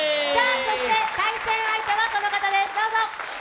そして、対戦相手はこの方です。